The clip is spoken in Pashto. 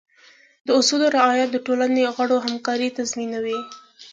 د اصولو رعایت د ټولنې د غړو همکارۍ تضمینوي.